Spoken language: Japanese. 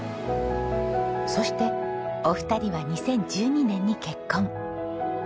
そしてお二人は２０１２年に結婚。